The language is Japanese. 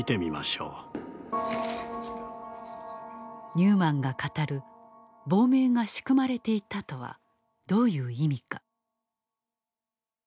ニューマンが語る「亡命が仕組まれていた」とはどういう意味か。